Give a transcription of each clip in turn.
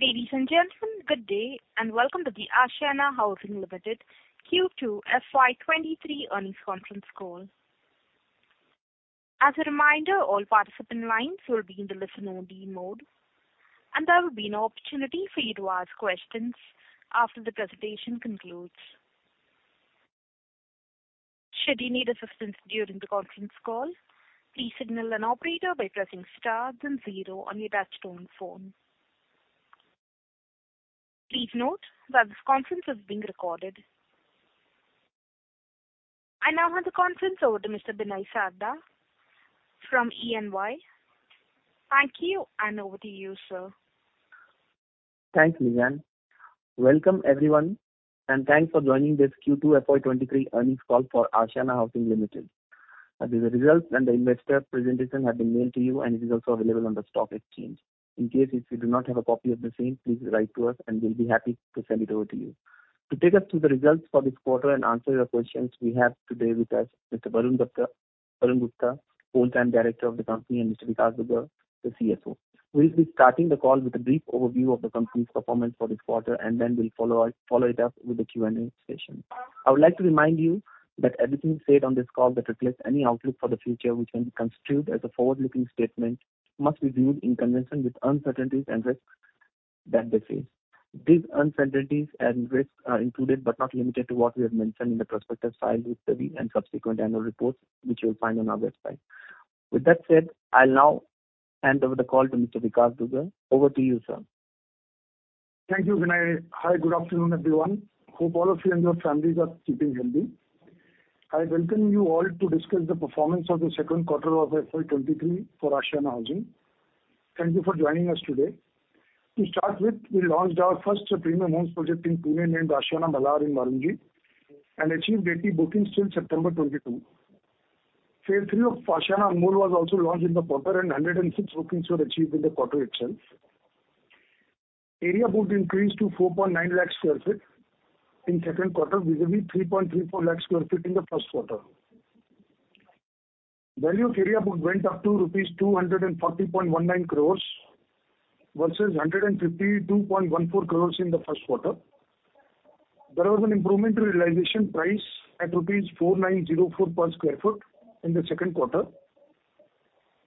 Ladies and gentlemen, good day, and welcome to the Ashiana Housing Limited Q2 FY 2023 earnings conference call. As a reminder, all participant lines will be in the listen-only mode, and there will be an opportunity for you to ask questions after the presentation concludes. Should you need assistance during the conference call, please signal an operator by pressing star then zero on your touch-tone phone. Please note that this conference is being recorded. I now hand the conference over to Mr. Binay Sarda from E&Y. Thank you, and over to you, sir. Thanks, Lisa. Welcome, everyone, and thanks for joining this Q2 FY 2023 earnings call for Ashiana Housing Limited. The results and the investor presentation have been mailed to you, and it is also available on the stock exchange. In case if you do not have a copy of the same, please write to us, and we'll be happy to send it over to you. To take us through the results for this quarter and answer your questions, we have today with us Mr. Varun Gupta, full-time Director of the company, and Mr. Vikash Dugar, the CFO. We'll be starting the call with a brief overview of the company's performance for this quarter, and then we'll follow it up with a Q&A session. I would like to remind you that everything said on this call that reflects any outlook for the future, which can be construed as a forward-looking statement, must be viewed in conjunction with uncertainties and risks that they face. These uncertainties and risks are included, but not limited to, what we have mentioned in the prospectus filed with the, and subsequent annual reports, which you'll find on our website. With that said, I'll now hand over the call to Mr. Vikash Dugar. Over to you, sir. Thank you, Binay. Hi, good afternoon, everyone. Hope all of you and your families are keeping healthy. I welcome you all to discuss the performance of the second quarter of FY 2023 for Ashiana Housing. Thank you for joining us today. To start with, we launched our first premium homes project in Pune, named Ashiana Malhar in Marunji, and achieved 80 bookings till September 2022. Phase 3 of Ashiana Anmol was also launched in the quarter, and 106 bookings were achieved in the quarter itself. Area booked increased to 4.9 lakh sq ft in second quarter, vis-à-vis 3.34 lakh sq ft in the first quarter. Value of area booked went up to rupees 240.19 crores, versus 152.14 crores in the first quarter. There was an improvement in realization price at rupees 4,904 per sq ft in the second quarter,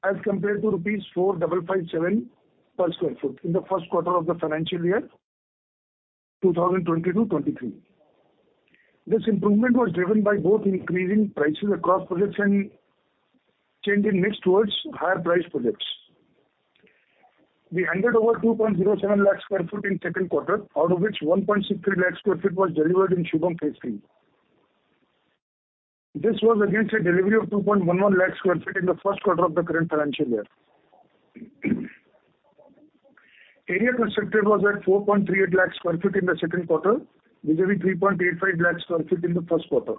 as compared to rupees 4,557 per sq ft in the first quarter of the financial year 2020 to 2023. This improvement was driven by both increasing prices across projects and change in mix towards higher price projects. We handed over 2.07 lakh sq ft in second quarter, out of which 1.63 lakh sq ft was delivered in Shubham Phase 3. This was against a delivery of 2.11 lakh sq ft in the first quarter of the current financial year. Area constructed was at 4.38 lakh sq ft in the second quarter, vis-à-vis 3.85 lakh sq ft in the first quarter.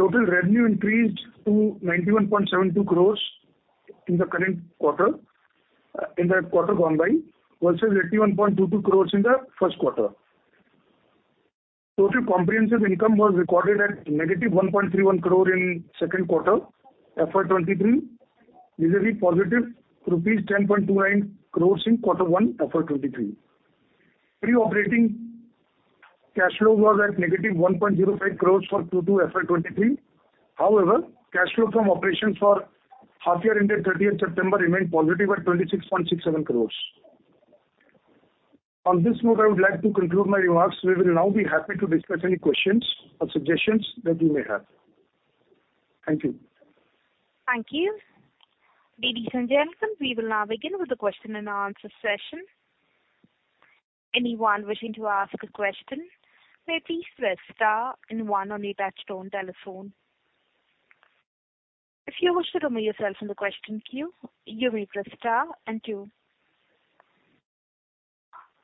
Total revenue increased to 91.72 crore in the current quarter, in the quarter gone by, versus 81.22 crore in the first quarter. Total comprehensive income was recorded at -1.31 crore in second quarter, FY 2023, vis-à-vis positive rupees +10.29 crore in quarter one, FY 2023. Pre-operating cash flow was at -1.05 crore for Q2 FY 2023. However, cash flow from operations for half year ending 30th September remained positive at 26.67 crore. On this note, I would like to conclude my remarks. We will now be happy to discuss any questions or suggestions that you may have. Thank you. Thank you. Ladies and gentlemen, we will now begin with the question and answer session. Anyone wishing to ask a question, may please press star and one on your touchtone telephone. If you wish to remove yourself from the question queue, you may press star and two.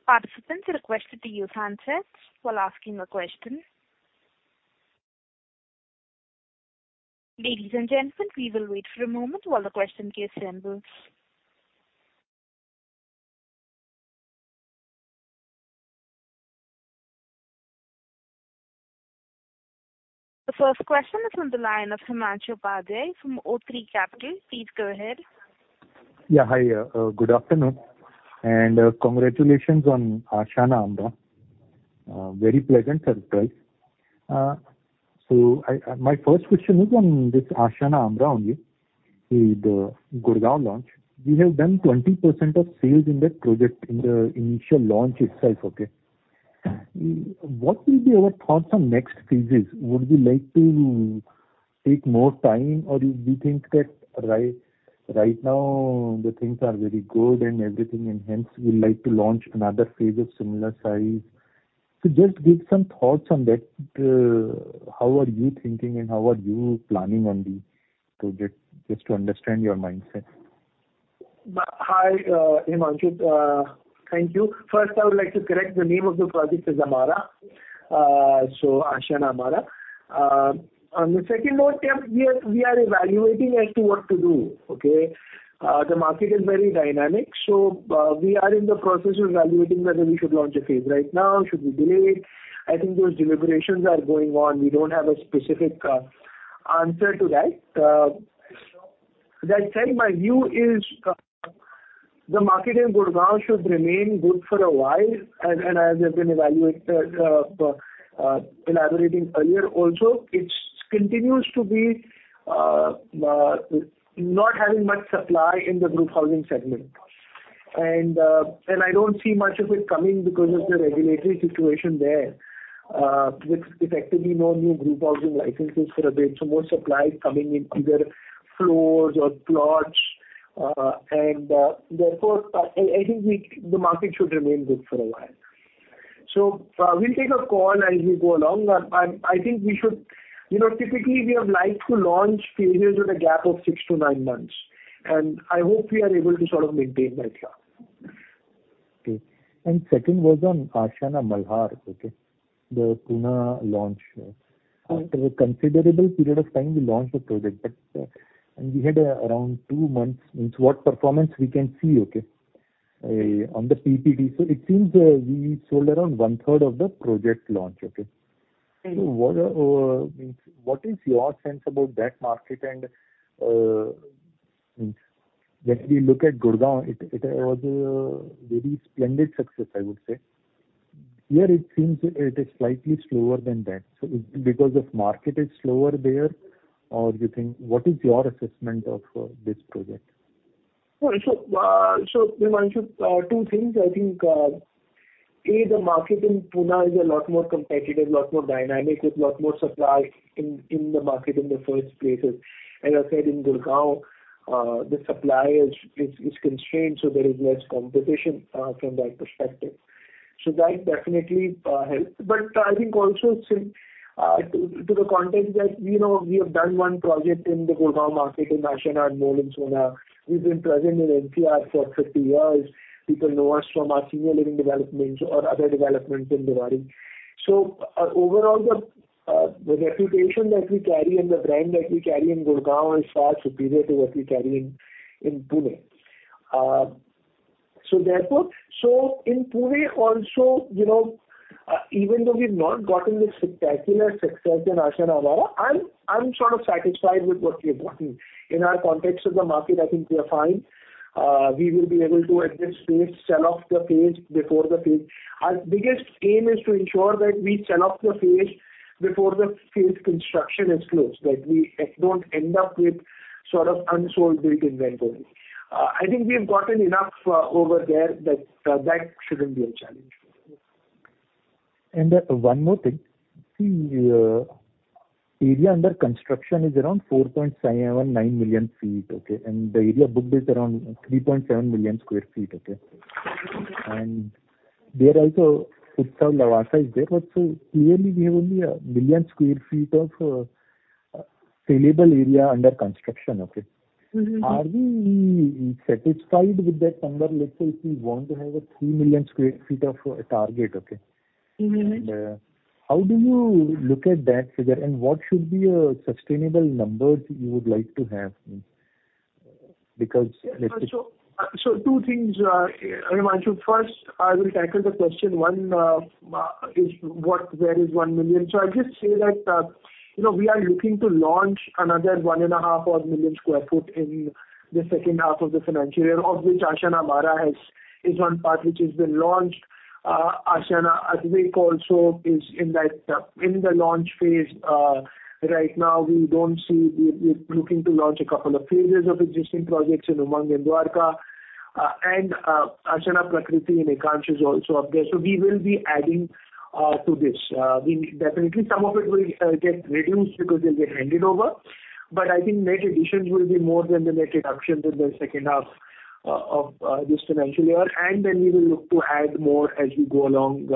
Participants are requested to use handsets while asking a question. Ladies and gentlemen, we will wait for a moment while the question queue assembles. The first question is on the line of Himanshu Pandey from O3 Capital. Please go ahead. Yeah, hi, good afternoon, and congratulations on Ashiana Amara. Very pleasant surprise. So my first question is on this Ashiana Amara only, the Gurgaon launch. You have done 20% of sales in that project in the initial launch itself, okay? What will be your thoughts on next phases? Would you like to take more time, or do you think that right now the things are very good and everything, and hence you'd like to launch another phase of similar size? So just give some thoughts on that, how are you thinking and how are you planning on the project, just to understand your mindset. Hi, Himanshu, thank you. First, I would like to correct the name of the project is Amara, so Ashiana Amara. On the second note, yeah, we are evaluating as to what to do, okay? The market is very dynamic, so we are in the process of evaluating whether we should launch a phase right now, should we delay? I think those deliberations are going on. We don't have a specific answer to that. As I said, my view is, the market in Gurgaon should remain good for a while, and as I've been evaluated, elaborating earlier also, it's continues to be, not having much supply in the group housing segment. I don't see much of it coming because of the regulatory situation there, with effectively no new group housing licenses for a bit. So more supply is coming in either floors or plots, and therefore, I think the market should remain good for a while. So, we'll take a call as we go along. But I think we should. You know, typically, we have liked to launch phases with a gap of 6-9 months, and I hope we are able to sort of maintain that gap. Okay. Second was on Ashiana Malhar, okay? The Pune launch. Right. After a considerable period of time, we launched the project, but and we had around two months into what performance we can see, okay, on the PPT. So it seems we sold around one third of the project launch, okay? Mm-hmm. So what is your sense about that market? And when we look at Gurgaon, it was a very splendid success, I would say. Here, it seems it is slightly slower than that. So because this market is slower there, or you think... What is your assessment of this project? Well, so, so Himanshu, two things. I think, A, the market in Pune is a lot more competitive, a lot more dynamic, with a lot more supply in the market in the first places. As I said, in Gurgaon, the supply is constrained, so there is less competition, from that perspective. So that definitely, helps. But I think also, to the context that, you know, we have done one project in the Gurgaon market, in Ashiana Mall, in Sohna. We've been present in NCR for 50 years. People know us from our senior living developments or other developments in Delhi. So overall, the reputation that we carry and the brand that we carry in Gurgaon is far superior to what we carry in Pune. So in Pune also, you know, even though we've not gotten the spectacular success in Ashiana Amara, I'm sort of satisfied with what we have gotten. In our context of the market, I think we are fine. We will be able to, at this phase, sell off the phase before the phase... Our biggest aim is to ensure that we sell off the phase before the phase construction is closed, that we don't end up with sort of unsold built inventory. I think we've gotten enough over there that that shouldn't be a challenge. One more thing. The area under construction is around 4.79 million sq ft, okay? And the area booked is around 3.7 million sq ft, okay? Mm-hmm. There also, Utsav Lavasa is there, but so clearly, we have only 1 million sq ft of sellable area under construction, okay. Mm-hmm. Are we satisfied with that number, let's say, if we want to have a 3 million sq ft of target, okay? Mm-hmm. How do you look at that figure, and what should be a sustainable number you would like to have? Because- So, two things, Himanshu. First, I will tackle the question, one, is what—where is 1 million? So I'll just say that, you know, we are looking to launch another 1.5 odd million sq ft in the second half of the financial year, of which Ashiana Amara has, is one part which has been launched. Ashiana Advik also is in that, in the launch phase. Right now, we, we're looking to launch a couple of phases of existing projects in Umang and Dwarka. And, Ashiana Prakriti in Ekansh is also up there. So we will be adding to this. We definitely, some of it will get reduced because they'll get handed over, but I think net additions will be more than the net reductions in the second half of this financial year, and then we will look to add more as we go along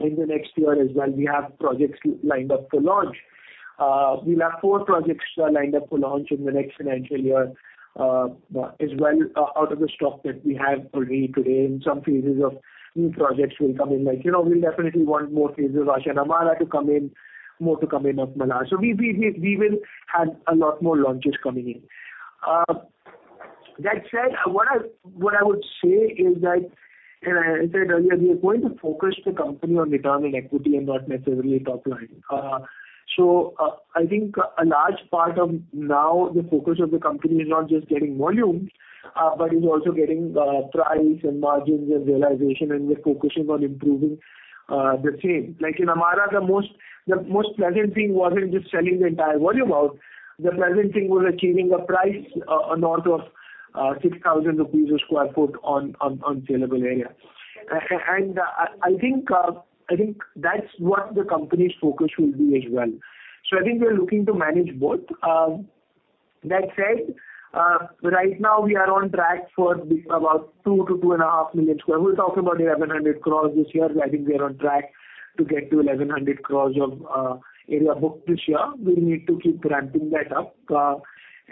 in the next year as well. We have projects lined up to launch. We'll have four projects lined up to launch in the next financial year as well, out of the stock that we have already today, and some phases of new projects will come in. Like, you know, we'll definitely want more phases of Ashiana Amara to come in, more to come in of Malhar. So we will have a lot more launches coming in. That said, what I would say is that, and I said earlier, we are going to focus the company on return on equity and not necessarily top line. So, I think a large part of now the focus of the company is not just getting volume, but is also getting price and margins and realization, and we're focusing on improving the same. Like in Amara, the most pleasant thing wasn't just selling the entire volume out. The pleasant thing was achieving a price north of 6,000 rupees a sq ft on sellable area. And I think that's what the company's focus will be as well. So I think we're looking to manage both. That said, right now we are on track for about 2-2.5 million square. We're talking about 1,100 crore this year. I think we are on track to get to 1,100 crore of area booked this year. We need to keep ramping that up.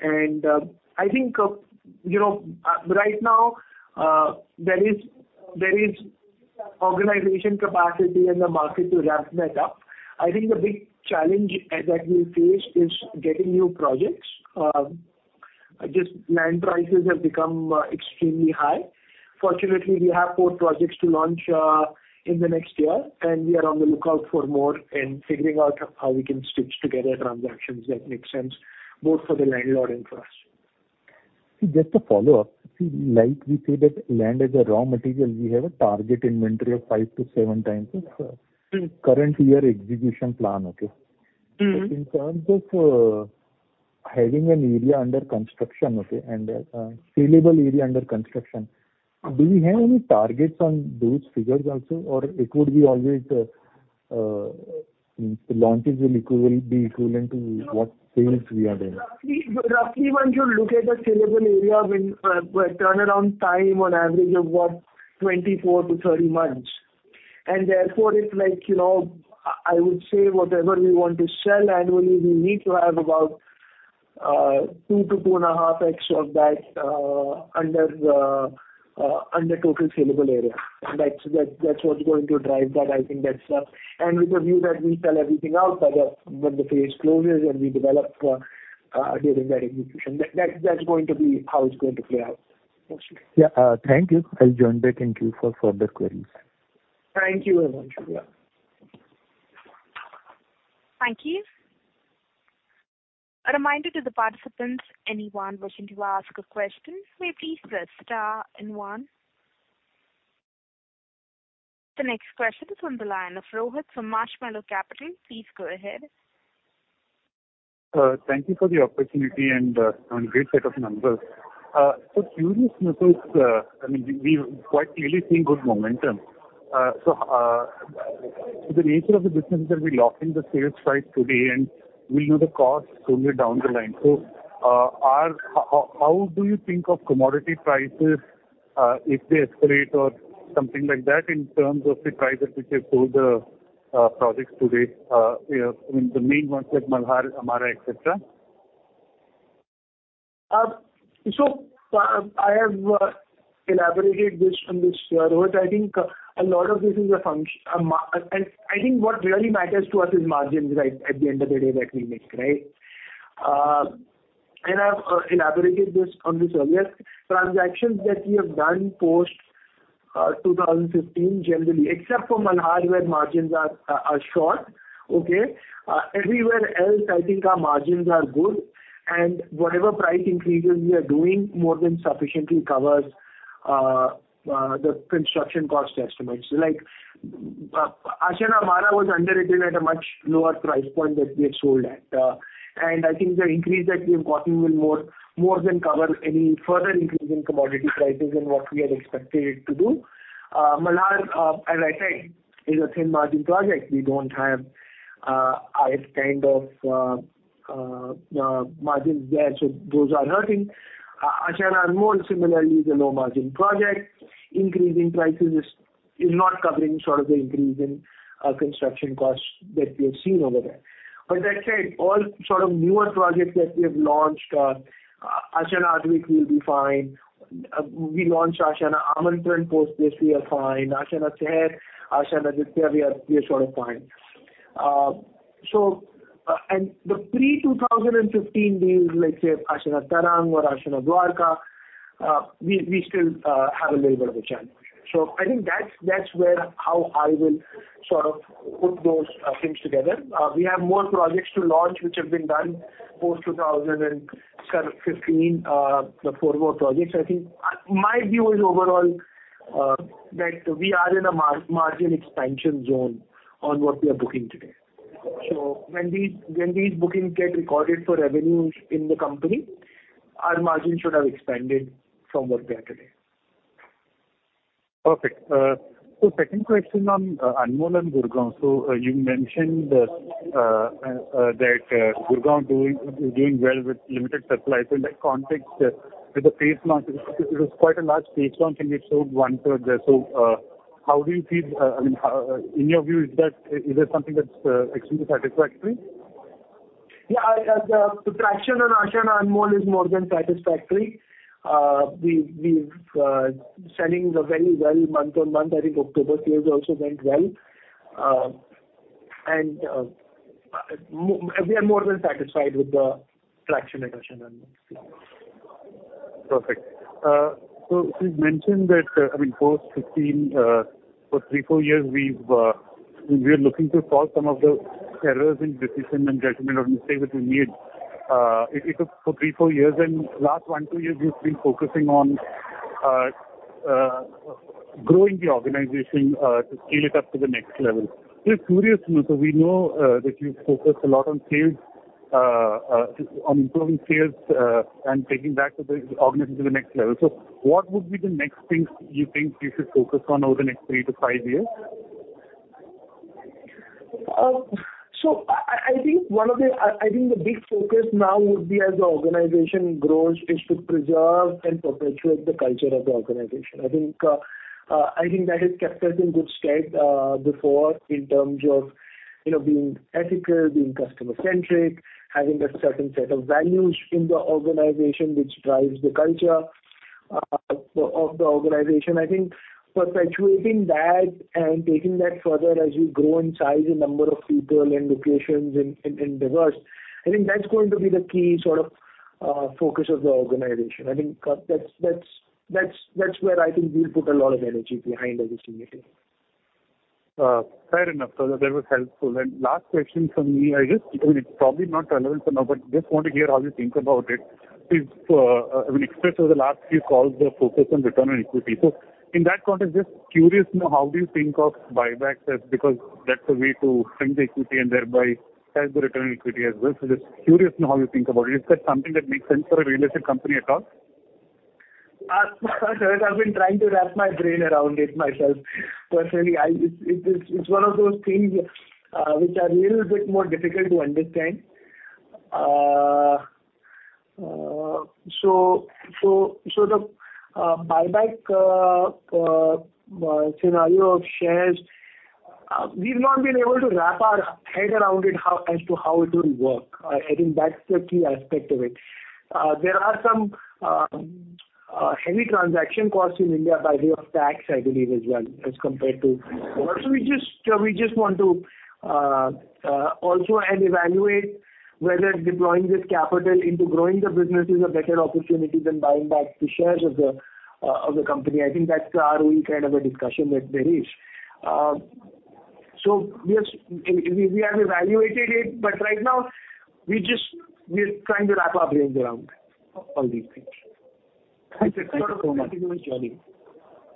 And I think, you know, right now there is organization capacity in the market to ramp that up. I think the big challenge that we face is getting new projects. I guess land prices have become extremely high. Fortunately, we have four projects to launch in the next year, and we are on the lookout for more, and figuring out how we can stitch together transactions that make sense both for the landlord and for us. Just a follow-up. See, like we say, that land is a raw material, we have a target inventory of 5-7 times its, Mm-hmm. Current year execution plan, okay? Mm-hmm. In terms of having an area under construction, okay, and sellable area under construction, do we have any targets on those figures also? Or it would be always launches will equivalent, be equivalent to what sales we are doing? Roughly, once you look at the sellable area, when, where turnaround time on average of, what? 24-30 months. And therefore, it's like, you know, I would say whatever we want to sell annually, we need to have about, 2-2.5x of that, under the total sellable area. That's what's going to drive that. I think that's. And with the view that we sell everything out by the, when the phase closes, and we develop, during that execution. That's going to be how it's going to play out. Yeah. Thank you. I'll join the thank you for further queries. Thank you, everyone. Cheers. Thank you. A reminder to the participants, anyone wishing to ask a question, may please press star and one. The next question is on the line of Rohit from Marshmallow Capital. Please go ahead. Thank you for the opportunity and great set of numbers. So curious, because, I mean, we quite clearly seeing good momentum. So, the nature of the business that we lock in the sales price today, and we'll know the cost only down the line. So, how do you think of commodity prices, if they escalate or something like that, in terms of the prices which you sold the projects today, you know, in the main ones like Malhar, Amara, et cetera? So, I have elaborated this on this, Rohit. I think a lot of this is. And, I think what really matters to us is margins, right? At the end of the day, that we make, right. And I've elaborated this on this earlier. Transactions that we have done post 2015, generally, except for Malhar, where margins are short, okay? Everywhere else, I think our margins are good. And whatever price increases we are doing more than sufficiently covers the construction cost estimates. Like, Ashiana Amara was underwritten at a much lower price point that we have sold at. And I think the increase that we have gotten will more than cover any further increase in commodity prices than what we had expected it to do. Malhar, as I said, is a thin margin project. We don't have high kind of margins there, so those are hurting. Ashiana Anmol, similarly, is a low margin project. Increasing prices is not covering sort of the increase in construction costs that we have seen over there. But that said, all sort of newer projects that we have launched, Ashiana Adwik will be fine. We launched Ashiana Amantran post this, we are fine. Ashiana Seher, Ashiana Aditya, we are sort of fine. So, and the pre-2015 deals, like say Ashiana Tarang or Ashiana Dwarka, we still have a little bit of a chance. So I think that's where how I will sort of put those things together. We have more projects to launch, which have been done post 2015. The four more projects. I think, my view is overall, that we are in a margin expansion zone on what we are booking today. So when these, when these bookings get recorded for revenues in the company, our margins should have expanded from what we are today. Perfect. So second question on Anmol and Gurgaon. So you mentioned that Gurgaon is doing well with limited supply. So in that context, with the phase launch, it was quite a large phase launch, and it sold 1/3 there. So how do you feel, I mean, how... In your view, is that something that's extremely satisfactory? Yeah, the traction on Ashiana Anmol is more than satisfactory. We've selling very well, month-on-month. I think October sales also went well. And we are more than satisfied with the traction at Ashiana Anmol. Perfect. So you've mentioned that, I mean, post 15, for 3-4 years, we're looking to solve some of the errors in decision and judgment or mistake that we made. It took 3-4 years, and last 1-2 years, we've been focusing on growing the organization to scale it up to the next level. Just curious, so we know that you've focused a lot on sales, on improving sales, and taking back the organization to the next level. So what would be the next things you think you should focus on over the next 3-5 years? So I think the big focus now would be, as the organization grows, is to preserve and perpetuate the culture of the organization. I think that has kept us in good stead before, in terms of, you know, being ethical, being customer centric, having a certain set of values in the organization which drives the culture of the organization. I think perpetuating that and taking that further as you grow in size and number of people and locations and diverse, I think that's going to be the key sort of focus of the organization. I think that's where I think we'll put a lot of energy behind as a team. Fair enough, sir. That was helpful. Last question from me, I just—it's probably not relevant for now, but just want to hear how you think about it. Is, I mean, especially over the last few calls, the focus on return on equity. So in that context, just curious to know, how do you think of buybacks as—because that's a way to shrink the equity and thereby drive the return on equity as well. So just curious to know how you think about it. Is that something that makes sense for a real estate company at all? I've been trying to wrap my brain around it myself. Personally, it's one of those things which are a little bit more difficult to understand. So, the buyback scenario of shares, we've not been able to wrap our head around it, as to how it will work. I think that's the key aspect of it. There are some heavy transaction costs in India by way of tax, I believe, as well, as compared to... So we just want to also evaluate whether deploying this capital into growing the business is a better opportunity than buying back the shares of the company. I think that's our only kind of a discussion that there is. So yes, we have evaluated it, but right now, we just, we're trying to wrap our brains around all these things. Thank you so much. Sorry.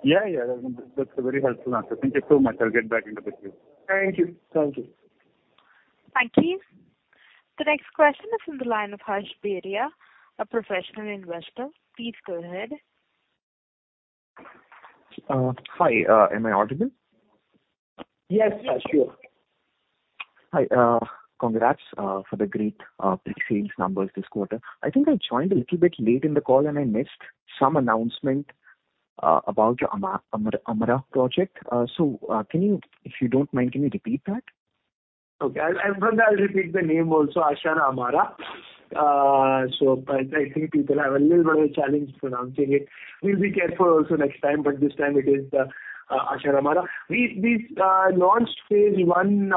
Yeah, yeah. That's a very helpful answer. Thank you so much. I'll get back into the queue. Thank you. Thank you. Thank you. The next question is from the line of Harsh Beria, a professional investor. Please go ahead. Hi, am I audible? Yes, yes, sure. Hi, congrats for the great pre-sales numbers this quarter. I think I joined a little bit late in the call, and I missed some announcement about your Amara project. So, if you don't mind, can you repeat that? Okay. And I'll repeat the name also, Ashiana Amara. So, but I think people have a little bit of a challenge pronouncing it. We'll be careful also next time, but this time it is the Ashiana Amara. We launched Phase 1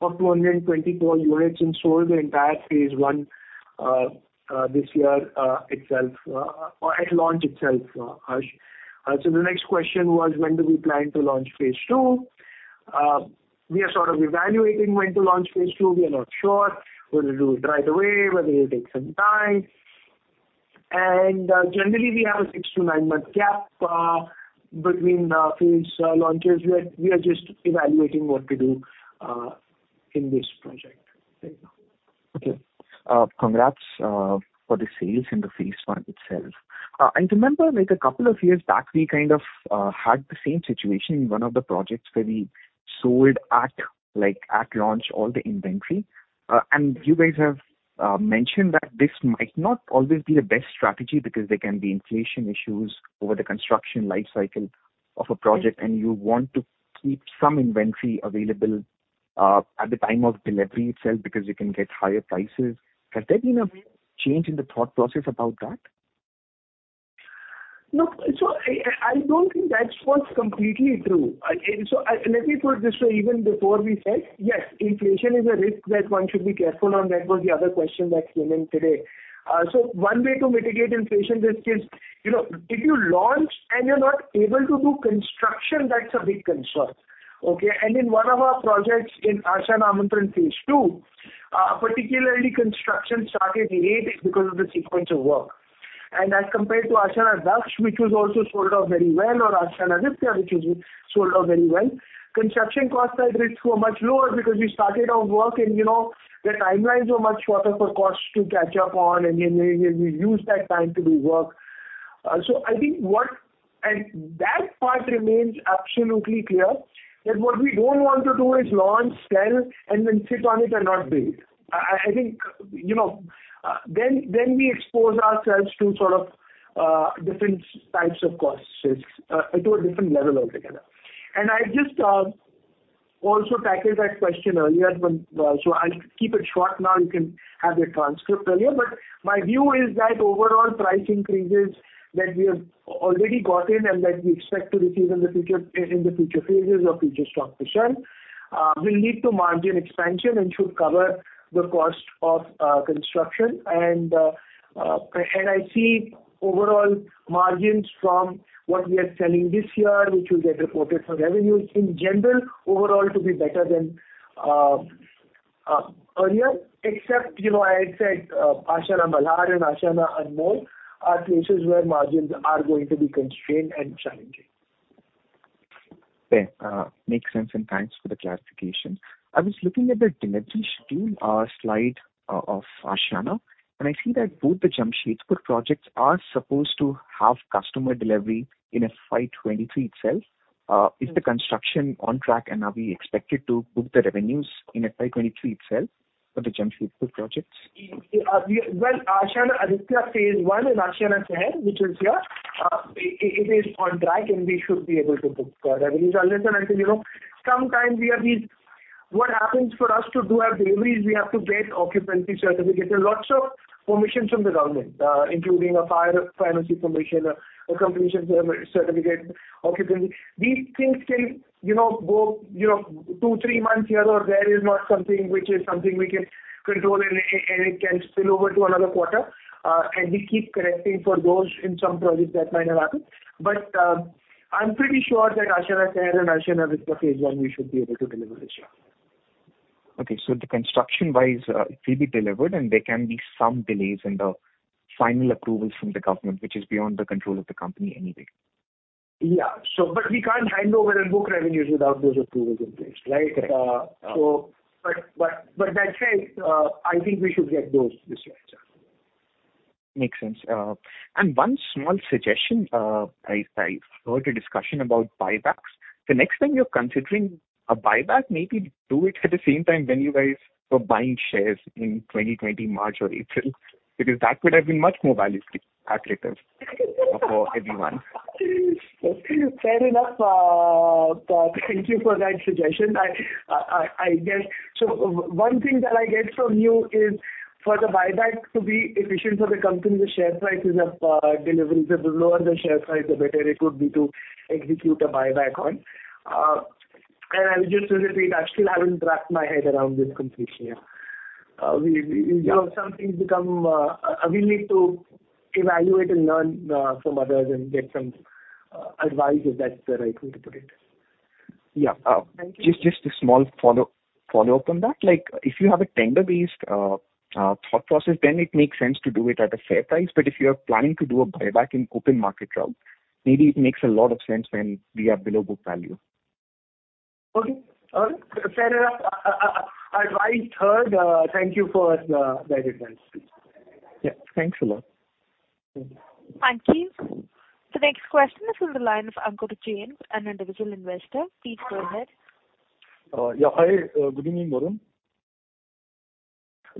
of 224 units and sold the entire Phase 1 this year itself or at launch itself, Harsh. So the next question was, when do we plan to launch Phase 2? We are sort of evaluating when to launch Phase 2. We are not sure whether to do it right away, whether it will take some time. And generally, we have a 6-9-month gap between the phase launches. We are just evaluating what to do in this project right now. Okay. Congrats for the sales in the Phase 1 itself. I remember like a couple of years back, we kind of had the same situation in one of the projects where we sold at, like, at launch all the inventory. And you guys have mentioned that this might not always be the best strategy because there can be inflation issues over the construction life cycle of a project- Yes. - and you want to keep some inventory available, at the time of delivery itself, because you can get higher prices. Has there been a change in the thought process about that? No. So I don't think that was completely true. So let me put it this way, even before we said, yes, inflation is a risk that one should be careful on. That was the other question that came in today. So one way to mitigate inflation risk is, you know, if you launch and you're not able to do construction, that's a big concern, okay? And in one of our projects in Ashiana Amantran phase two, particularly construction started late because of the sequence of work. As compared to Ashiana Daksh, which was also sold off very well, or Ashiana Aditya, which was sold off very well, construction cost side risks were much lower because we started our work, and, you know, the timelines were much shorter for costs to catch up on, and then we used that time to do work. So I think and that part remains absolutely clear, that what we don't want to do is launch, sell, and then sit on it and not build. I think, you know, then we expose ourselves to sort of different types of cost risks to a different level altogether. I just also tackled that question earlier when... So I'll keep it short now, you can have the transcript earlier. But my view is that overall price increases that we have already gotten and that we expect to receive in the future, in the future phases or future stock to sell, will lead to margin expansion and should cover the cost of construction. And I see overall margins from what we are selling this year, which will get reported for revenues, in general, overall, to be better than earlier. Except, you know, I had said, Ashiana Malhar and Ashiana Anmol are places where margins are going to be constrained and challenging. Okay, makes sense, and thanks for the clarification. I was looking at the due diligence slide of Ashiana, and I see that both the Jamshedpur projects are supposed to have customer delivery in FY 2023 itself. Is the construction on track, and are we expected to book the revenues in FY 2023 itself for the Jamshedpur projects? Well, Ashiana Aditya phase one and Ashiana Seher, which is here, it is on track, and we should be able to book the revenues. Unless and until, you know, sometimes we have these. What happens for us to do our deliveries, we have to get occupancy certificates and lots of permissions from the government, including a fire safety permission, a completion certificate, occupancy. These things can, you know, go, you know, two, three months here or there is not something we can control, and it can spill over to another quarter. We keep correcting for those in some projects that might have happened. But, I'm pretty sure that Ashiana Seher and Ashiana Vispa phase one, we should be able to deliver this year. Okay. So the construction-wise, it will be delivered, and there can be some delays in the final approvals from the government, which is beyond the control of the company anyway. Yeah. So but we can't hand over and book revenues without those approvals in place, right? Correct. But that said, I think we should get those this year as well. Makes sense. And one small suggestion, I heard a discussion about buybacks. The next time you're considering a buyback, maybe do it at the same time when you guys were buying shares in 2020 March or April, because that would have been much more value stick attractive for everyone. Fair enough, thank you for that suggestion. So one thing that I get from you is for the buyback to be efficient for the company, the share price is up, deliverables. The lower the share price, the better it would be to execute a buyback on. And I would just repeat, I still haven't wrapped my head around this conclusion yet. Yeah. We need to evaluate and learn from others and get some advice, if that's the right way to put it. Yeah. Thank you. Just a small follow-up on that. Like, if you have a tender-based thought process, then it makes sense to do it at a fair price. But if you are planning to do a buyback in open market route, maybe it makes a lot of sense when we are below book value. Okay. All right. Fair enough. Advice heard. Thank you for the guidance. Yeah. Thanks a lot. Thank you. The next question is from the line of Ankur Jain, an individual investor. Please go ahead. Yeah. Hi, good evening, Varun.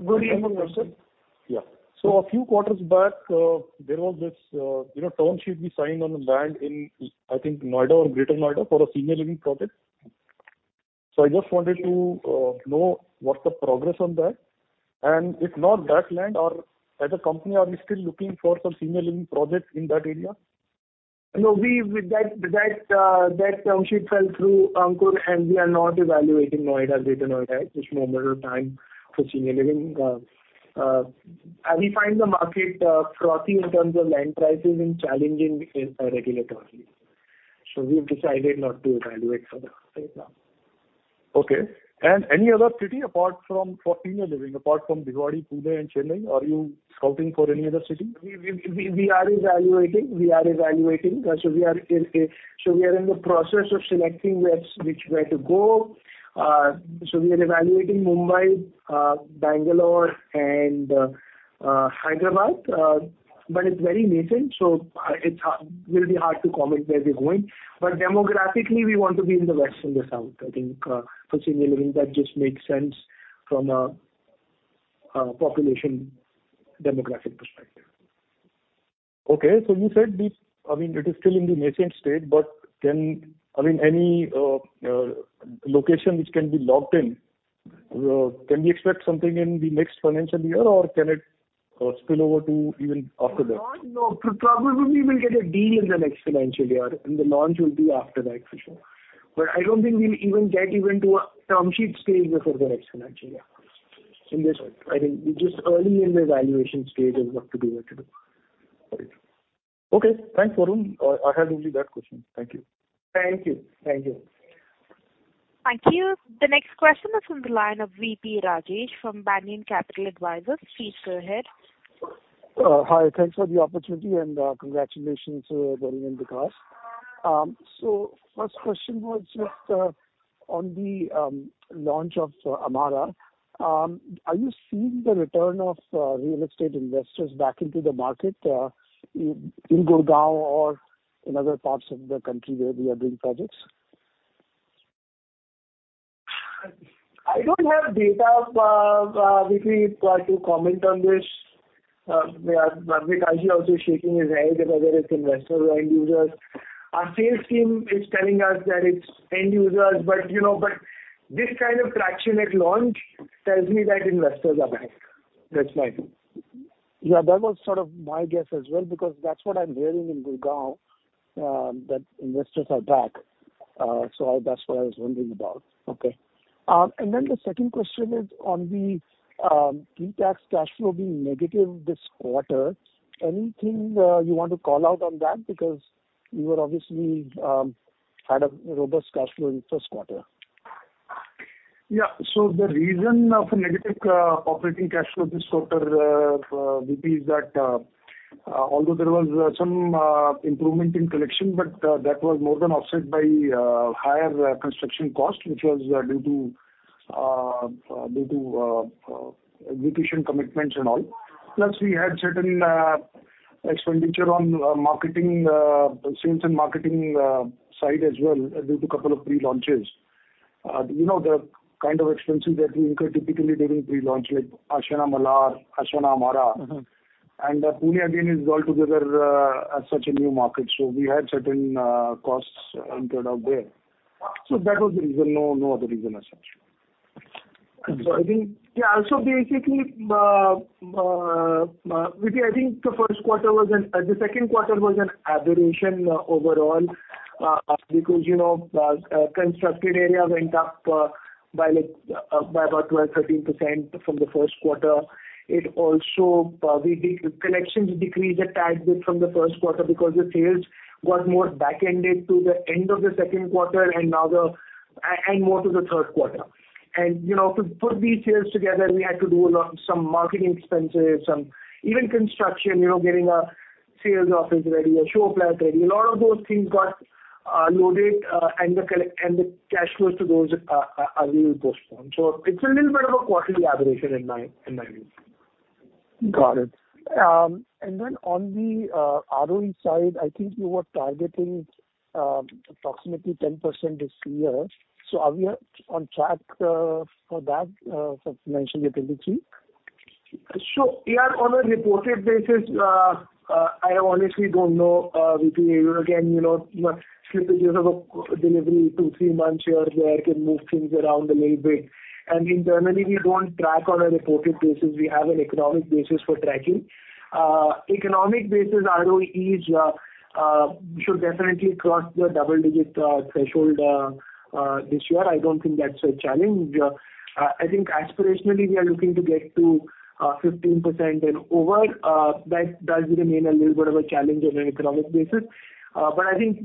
Good evening, sir. Yeah. So a few quarters back, there was this, you know, term sheet we signed on the land in, I think, Noida or Greater Noida, for a senior living project. So I just wanted to know what's the progress on that? And if not that land, or as a company, are we still looking for some senior living projects in that area? No, with that term sheet fell through, Ankur, and we are not evaluating Noida, Greater Noida at this moment of time for senior living. And we find the market frothy in terms of land prices and challenging in regulatory. So we have decided not to evaluate for that right now. Okay. And any other city, apart from, for senior living, apart from Bhiwadi, Pune, and Chennai, are you scouting for any other city? We are evaluating. So we are in the process of selecting where, which way to go. So we are evaluating Mumbai, Bangalore and Hyderabad, but it's very nascent, so it will be hard to comment where we're going. But demographically, we want to be in the west and the south. I think, for senior living, that just makes sense from a population demographic perspective. Okay. So you said, I mean, it is still in the nascent state, but can, I mean, any location which can be locked in, can we expect something in the next financial year, or can it spill over to even after that? No, probably, we will get a deal in the next financial year, and the launch will be after that, for sure. But I don't think we'll even get to a term sheet stage before the next financial year. In this, I think, we're just early in the evaluation stage of what to do, what to do. Got it. Okay, thanks, Varun. I had only that question. Thank you. Thank you. Thank you. Thank you. The next question is from the line of VP Rajesh from Banyan Capital Advisors. Please go ahead. Hi. Thanks for the opportunity, and congratulations, Varun and Vikas. So first question was just on the launch of Amara. Are you seeing the return of real estate investors back into the market in Gurgaon or in other parts of the country where we are doing projects? I don't have data with me to comment on this. Vikash also shaking his head whether it's investor or end users. Our sales team is telling us that it's end users, but, you know, but this kind of traction at launch tells me that investors are back. That's my view. Yeah, that was sort of my guess as well, because that's what I'm hearing in Gurgaon, that investors are back. So that's what I was wondering about. Okay. And then the second question is on the pre-tax cash flow being negative this quarter. Anything you want to call out on that? Because you were obviously had a robust cash flow in the first quarter. Yeah. So the reason of a negative operating cash flow this quarter, VP, is that, although there was some improvement in collection, but that was more than offset by higher construction cost, which was due to execution commitments and all. Plus, we had certain expenditure on marketing, sales and marketing side as well, due to a couple of pre-launches. You know, the kind of expenses that we incur typically during pre-launch, like Ashiana Malhar, Ashiana Amara. Mm-hmm.... And, Pune again is altogether such a new market, so we had certain costs entered out there. So that was the reason, no, no other reason as such. So I think, yeah, so basically, VP, I think the first quarter was, the second quarter was an aberration, overall, because, you know, constructed area went up, by, like, by about 12, 13% from the first quarter. It also, collections decreased a tad bit from the first quarter because the sales was more back-ended to the end of the second quarter and now and more to the third quarter. And, you know, to put these years together, we had to do a lot, some marketing expenses, some even construction, you know, getting a sales office ready, a show flat ready. A lot of those things got loaded, and the collections and the cash flows to those are really postponed. It's a little bit of a quarterly aberration in my view. Got it. And then on the ROE side, I think you were targeting approximately 10% this year. So are we on track for that as you mentioned you can achieve? So, yeah, on a reported basis, I honestly don't know, VP, again, you know, slippages of a delivery 2-3 months here or there can move things around a little bit. Internally, we don't track on a reported basis. We have an economic basis for tracking. Economic basis, ROE should definitely cross the double-digit threshold this year. I don't think that's a challenge. I think aspirationally, we are looking to get to 15% and over, that does remain a little bit of a challenge on an economic basis. But I think,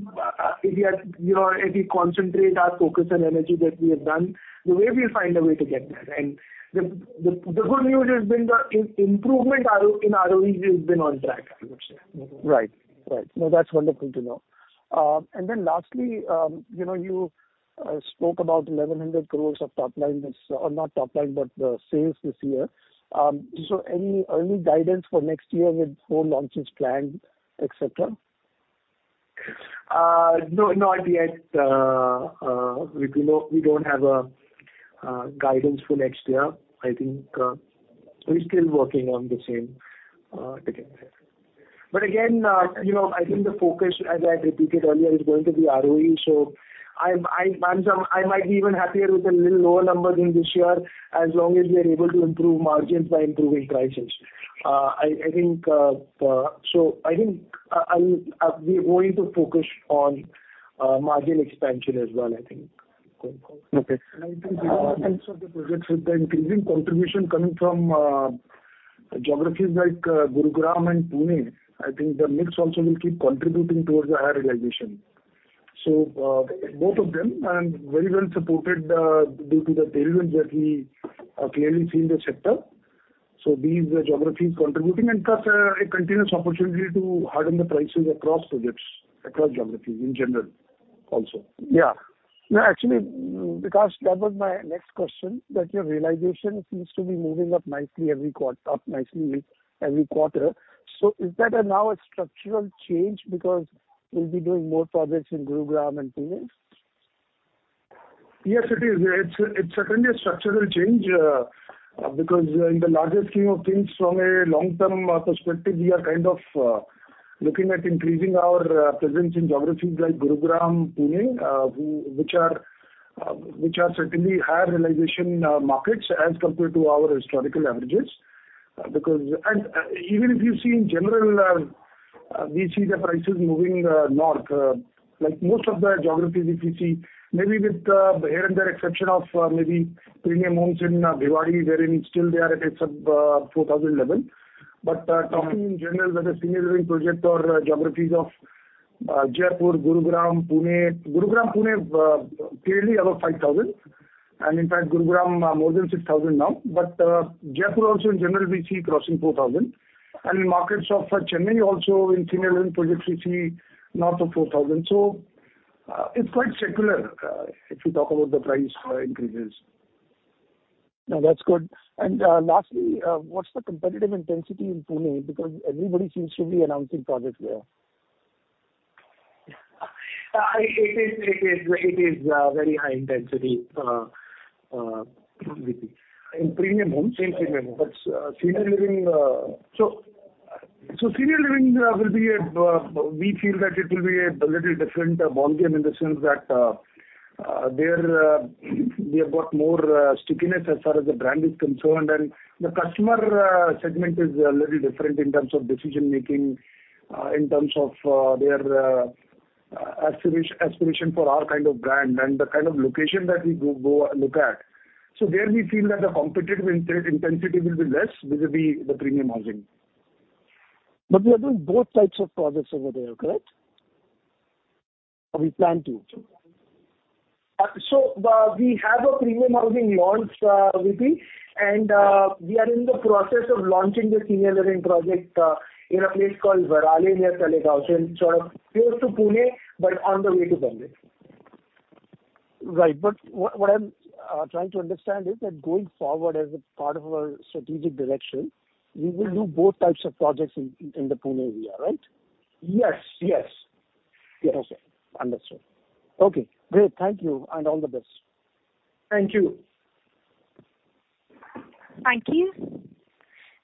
if we are, you know, if we concentrate our focus and energy that we have done, the way we find a way to get there. The good news has been the improvement in ROE has been on track, I would say. Right. Right. No, that's wonderful to know. And then lastly, you know, you spoke about 1,100 crores of top line, this, not top line, but the sales this year. So any, any guidance for next year with more launches planned, et cetera? No, not yet. We do not--we don't have a guidance for next year. I think, we're still working on the same, together. But again, you know, I think the focus, as I repeated earlier, is going to be ROE. So I might be even happier with a little lower numbers in this year, as long as we are able to improve margins by improving prices. I think, so I think, I'll, we're going to focus on margin expansion as well, I think. Okay. I think the projects with the increasing contribution coming from geographies like Gurugram and Pune. I think the mix also will keep contributing towards the higher realization. So both of them, and very well supported due to the tailwinds that we are clearly seeing the sector. So these geographies contributing and plus a continuous opportunity to harden the prices across projects, across geographies in general, also. Yeah. No, actually, because that was my next question, that your realization seems to be moving up nicely every quarter, up nicely every quarter. So is that a now a structural change because you'll be doing more projects in Gurugram and Pune? Yes, it is. It's certainly a structural change, because in the larger scheme of things, from a long-term perspective, we are kind of looking at increasing our presence in geographies like Gurugram, Pune, which are certainly higher realization markets as compared to our historical averages. Because... and even if you see in general, we see the prices moving north, like most of the geographies, if you see, maybe with here and there exception of maybe premium homes in Delhi, wherein still they are at a sub-INR 4,000 level. But talking in general, whether senior living project or geographies of Jaipur, Gurugram, Pune. Gurugram, Pune clearly above 5,000, and in fact, Gurugram more than 6,000 now. Jaipur also in general, we see crossing 4,000. In markets of Chennai, also in senior living projects, we see north of 4,000. It's quite secular if you talk about the price increases. No, that's good. And, lastly, what's the competitive intensity in Pune? Because everybody seems to be announcing projects there. It is very high intensity vs. in premium homes, same premium, but senior living. So senior living will be a, we feel that it will be a little different ballgame in the sense that there we have got more stickiness as far as the brand is concerned. And the customer segment is a little different in terms of decision making, in terms of their aspiration for our kind of brand and the kind of location that we go look at. So there we feel that the competitive intensity will be less, vis-a-vis the premium housing. We are doing both types of projects over there, correct? Or we plan to. So, we have a premium housing launch, VP, and we are in the process of launching this senior living project in a place called Varale near Talegaon, sort of close to Pune, but on the way to Bombay. Right. But what I'm trying to understand is that going forward, as a part of our strategic direction, we will do both types of projects in the Pune area, right? Yes, yes. Yes. Understood. Okay, great. Thank you, and all the best. Thank you. Thank you.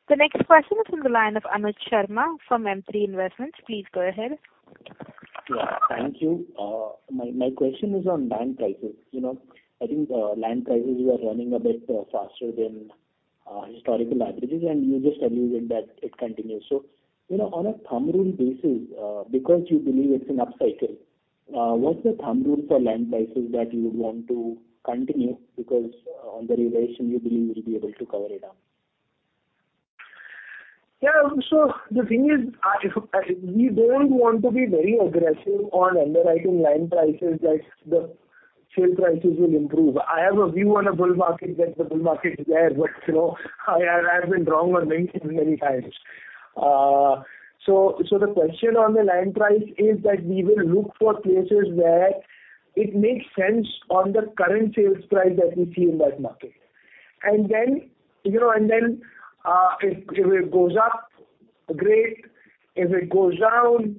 The next question is from the line of Anuj Sharma from M3 Investments. Please go ahead. Yeah, thank you. My, my question is on land prices. You know, I think, land prices were running a bit, faster than, historical averages, and you just alluded that it continues. So, you know, on a thumb rule basis, because you believe it's an upcycle, what's the thumb rule for land prices that you would want to continue? Because on the realization, you believe you'll be able to cover it up. Yeah. So the thing is, we don't want to be very aggressive on underwriting land prices, that the sale prices will improve. I have a view on a bull market, that the bull market is there, but, you know, I, I've been wrong on many things many times. So, so the question on the land price is that we will look for places where it makes sense on the current sales price that we see in that market. And then, you know, and then, if, if it goes up, great. If it goes down,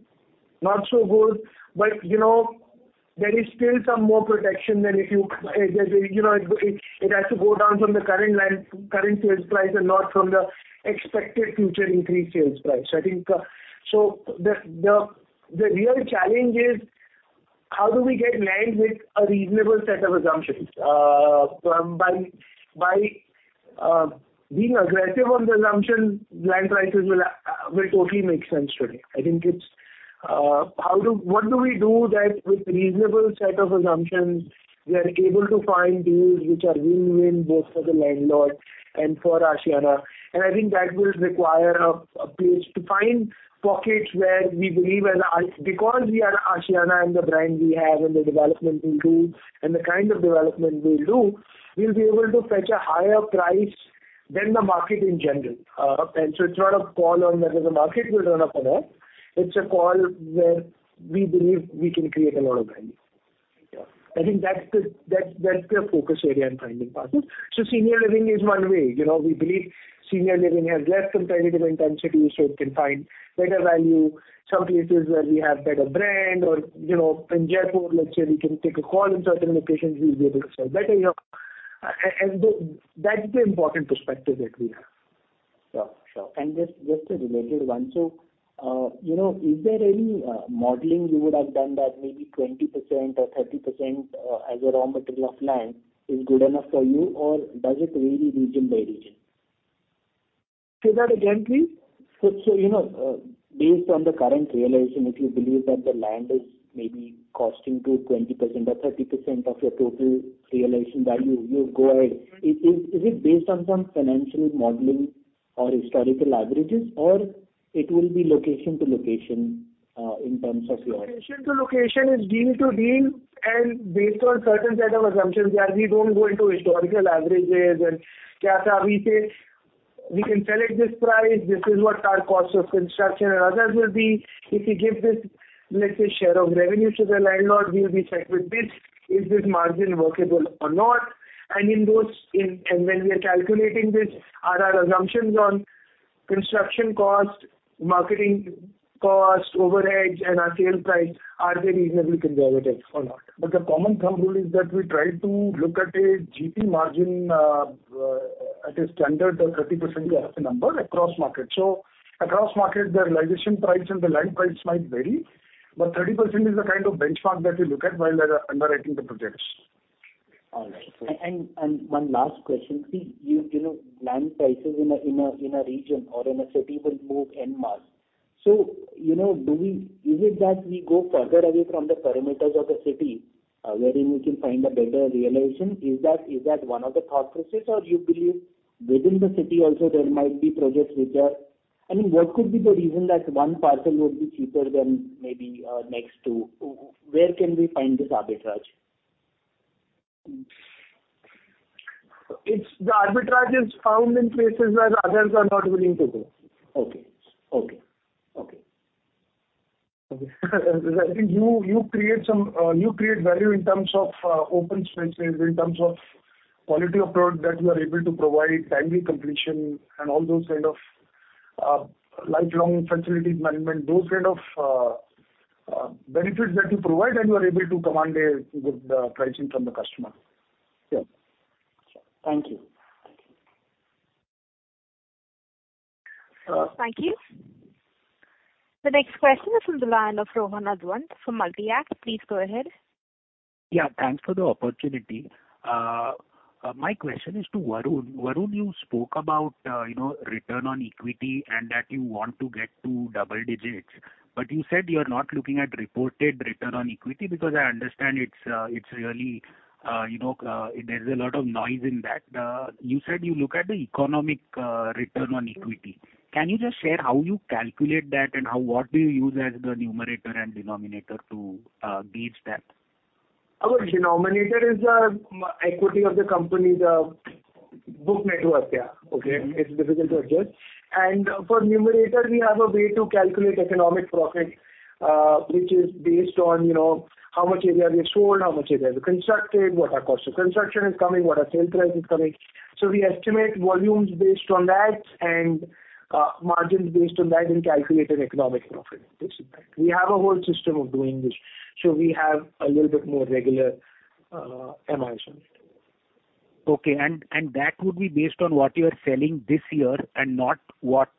not so good. But, you know, there is still some more protection than if you, you know, it, it, it has to go down from the current land, current sales price and not from the expected future increased sales price. I think, so the real challenge is, how do we get land with a reasonable set of assumptions? By being aggressive on the assumption, land prices will totally make sense today. I think it's, what do we do that with reasonable set of assumptions, we are able to find deals which are win-win both for the landlord and for Ashiana. I think that will require a place to find pockets where we believe because we are Ashiana and the brand we have, and the development we do, and the kind of development we'll do, we'll be able to fetch a higher price than the market in general. So it's not a call on whether the market will run up or not. It's a call where we believe we can create a lot of value. Yeah. I think that's the focus area and finding partners. So senior living is one way, you know, we believe senior living has less competitive intensity, so it can find better value. Some places where we have better brand or, you know, in Jaipur, let's say, we can take a call in certain locations, we'll be able to sell better, you know. And that's the important perspective that we have. Sure, sure. And just, just a related one. So, you know, is there any modeling you would have done that maybe 20% or 30% as a raw material of land is good enough for you? Or does it vary region by region? Say that again, please. So, you know, based on the current realization, if you believe that the land is maybe costing you 20% or 30% of your total realization value, you'll go ahead. Is it based on some financial modeling or historical averages, or it will be location to location, in terms of your... Location to location is deal to deal, and based on certain set of assumptions, where we don't go into historical averages and, we say, "We can sell at this price. This is what our cost of construction and others will be. If we give this, let's say, share of revenue to the landlord, we'll be stuck with this. Is this margin workable or not?" And in those, and when we are calculating this, are our assumptions on construction cost, marketing cost, overheads, and our sale price, are they reasonably conservative or not? But the common thumb rule is that we try to look at a GP margin at a standard of 30% as a number across markets. Across markets, the realization price and the land price might vary, but 30% is the kind of benchmark that we look at while we are underwriting the projects. All right. And one last question, please. You know, land prices in a region or in a city will move en masse. So, you know, is it that we go further away from the parameters of the city, wherein we can find a better realization? Is that one of the thought process, or you believe within the city also there might be projects which are... I mean, what could be the reason that one parcel would be cheaper than maybe next to? Where can we find this arbitrage? The arbitrage is found in places where others are not willing to go. Okay. Okay, okay. I think you create some value in terms of open spaces, in terms of quality of product that you are able to provide, timely completion, and all those kind of lifelong facilities management, those kind of benefits that you provide, and you are able to command a good pricing from the customer. Sure. Sure. Thank you. Thank you. The next question is from the line of Rohan Advani from Multi-Act. Please go ahead. Yeah, thanks for the opportunity. My question is to Varun. Varun, you spoke about, you know, return on equity and that you want to get to double digits, but you said you are not looking at reported return on equity, because I understand it's, it's really, you know, there's a lot of noise in that. You said you look at the economic return on equity. Can you just share how you calculate that and how—what do you use as the numerator and denominator to gauge that? Our denominator is equity of the company's book network. Yeah. Okay. It's difficult to adjust. For numerator, we have a way to calculate economic profit, which is based on, you know, how much area we have sold, how much area we constructed, what our cost of construction is coming, what our sales price is coming. So we estimate volumes based on that, and, margins based on that, and calculate an economic profit, basically. We have a whole system of doing this.... So we have a little bit more regular, MI sales. Okay, and, and that would be based on what you are selling this year and not what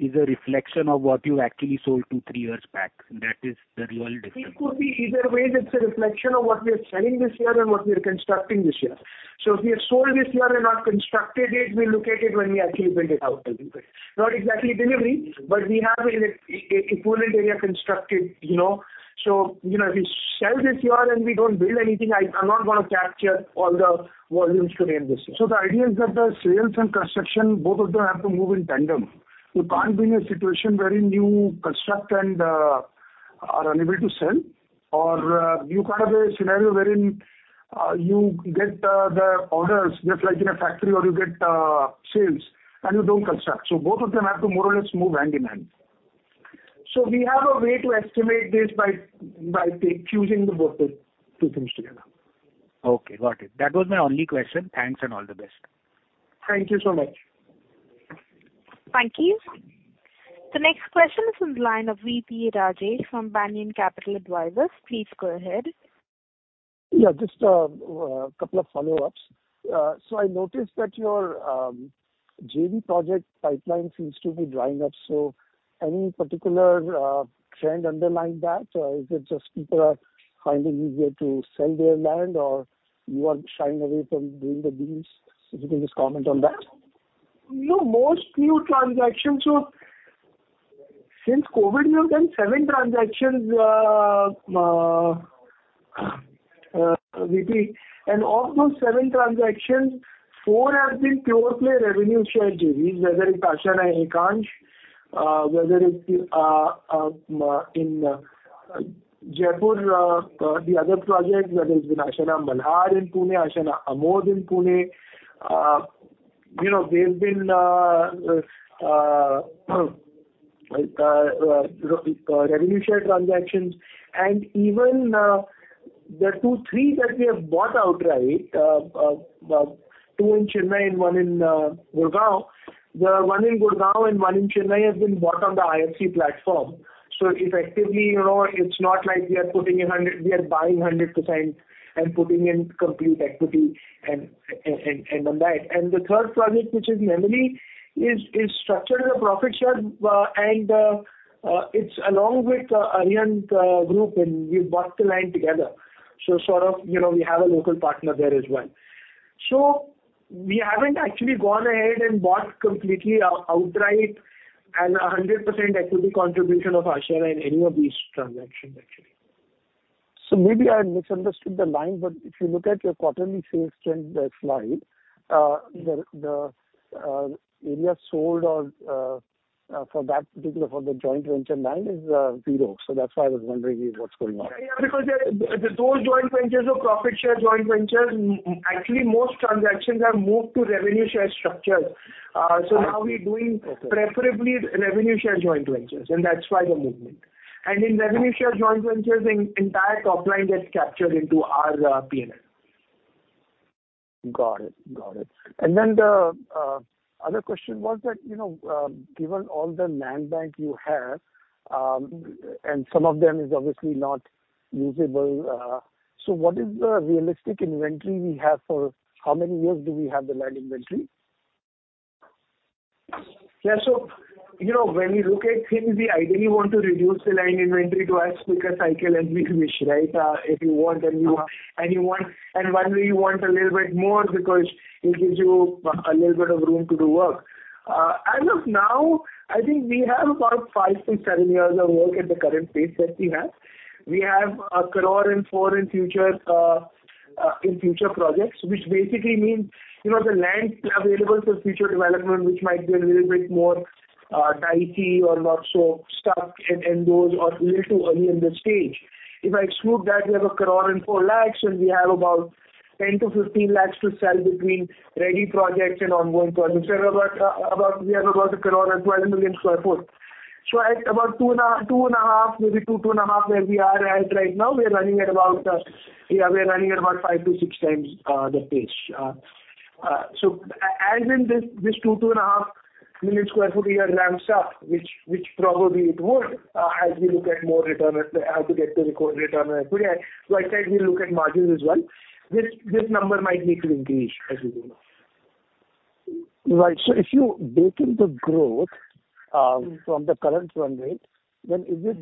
is a reflection of what you actually sold two, three years back, and that is the real difference? It could be either way. It's a reflection of what we are selling this year and what we are constructing this year. So if we have sold this year and not constructed it, we look at it when we actually build it out. Not exactly delivery, but we have a equivalent area constructed, you know. So, you know, if we sell this year and we don't build anything, I'm not gonna capture all the volumes during this year. So the idea is that the sales and construction, both of them have to move in tandem. You can't be in a situation wherein you construct and are unable to sell, or you kind of a scenario wherein you get the orders just like in a factory or you get sales and you don't construct. So both of them have to more or less move hand-in-hand. So we have a way to estimate this by choosing both of the two things together. Okay, got it. That was my only question. Thanks, and all the best. Thank you so much. Thank you. The next question is from the line of VP Rajesh from Banyan Capital Advisors. Please go ahead. Yeah, just, couple of follow-ups. So I noticed that your JV project pipeline seems to be drying up, so any particular trend underlying that? Or is it just people are finding easier to sell their land, or you are shying away from doing the deals? If you can just comment on that. No, most new transactions since COVID, we have done 7 transactions, JV, and of those 7 transactions, 4 have been pure-play revenue share JVs, whether it's Ashiana Ekansh, whether it's in Jaipur, the other project, whether it's been Ashiana Malhar in Pune, Ashiana Amodh in Pune. You know, they've been revenue share transactions. And even the two, three that we have bought outright, 2 in Chennai and 1 in Gurgaon, the 1 in Gurgaon and 1 in Chennai has been bought on the IFC platform. So effectively, you know, it's not like we are putting in 100 we are buying 100% and putting in complete equity and on that. And the third project, which is Maraimalai, is structured as a profit share, and it's along with Arihant Group, and we've bought the land together. So sort of, you know, we have a local partner there as well. So we haven't actually gone ahead and bought completely out, outright and 100% equity contribution of Ashiana in any of these transactions, actually. So maybe I misunderstood the line, but if you look at your quarterly sales trend slide, the area sold or for that particular for the joint venture land is 0. So that's why I was wondering what's going on. Yeah, yeah, because they're those joint ventures or profit share joint ventures, actually, most transactions have moved to revenue share structures. So now we're doing- Okay. - preferably revenue share joint ventures, and that's why the movement. In revenue share joint ventures, an entire top line gets captured into our P&L. Got it. Got it. And then the other question was that, you know, given all the land bank you have, and some of them is obviously not usable, so what is the realistic inventory we have for... How many years do we have the land inventory? Yeah, so you know, when we look at things, we ideally want to reduce the land inventory to as quick a cycle as we wish, right? If you want, then you want and you want, and while you want a little bit more because it gives you a little bit of room to do work. As of now, I think we have about 5-7 years of work at the current pace that we have. We have 1.04 crore in future projects, which basically means, you know, the land available for future development, which might be a little bit more dicey or not so stuck in those or little too early in the stage. If I exclude that, we have 1 crore and 4 lakhs, and we have about 10-15 lakhs to sell between ready projects and ongoing projects. So about, we have about 1 crore and 12 million sq ft. So at about 2.5, maybe 2-2.5, where we are at right now, we are running at about, yeah, we're running at about 5-6 times the pace. So as in this, this 2-2.5 million sq ft a year ramps up, which probably it would, as we look at more return, as we get the required return on equity, so I said we look at margins as well, this number might need to increase as we go. Right. So if you bake in the growth from the current run rate, then is it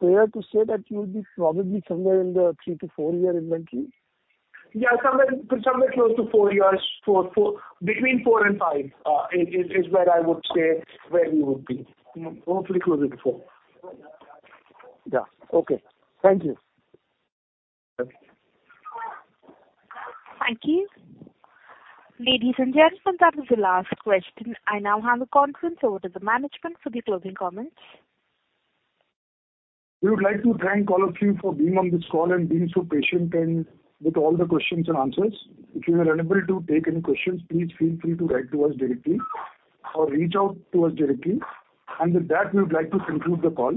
fair to say that you'll be probably somewhere in the 3-4 year inventory? Yeah, somewhere, somewhere close to four years, four, four, between four and five is where I would say where we would be. Hopefully closer to four. Yeah. Okay. Thank you. Thank you. Ladies and gentlemen, that was the last question. I now hand the conference over to the management for the closing comments. We would like to thank all of you for being on this call and being so patient and with all the questions and answers. If we were unable to take any questions, please feel free to write to us directly or reach out to us directly. With that, we would like to conclude the call.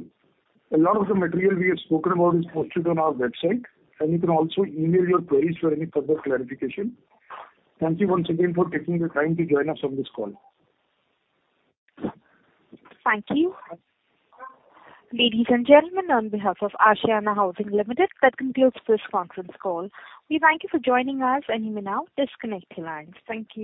A lot of the material we have spoken about is posted on our website, and you can also email your queries for any further clarification. Thank you once again for taking the time to join us on this call. Thank you. Ladies and gentlemen, on behalf of Ashiana Housing Limited, that concludes this conference call. We thank you for joining us, and you may now disconnect your lines. Thank you.